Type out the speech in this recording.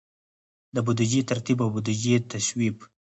د بودیجې ترتیب او د بودیجې تصویب.